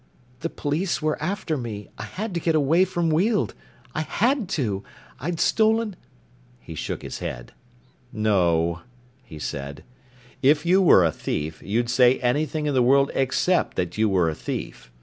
"The police were after me. I had to get away from Weald! I had to! I'd stolen " He shook his head. "No," he said. "If you were a thief, you'd say anything in the world except that you were a thief.